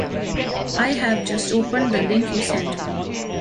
I have just opened the link you sent me.